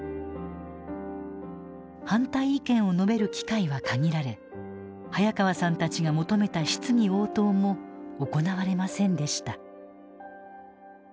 反対意見を述べる機会は限られ早川さんたちが求めた質疑応答も行われませんでした。